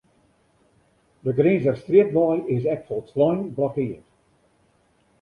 De Grinzerstrjitwei is ek folslein blokkeard.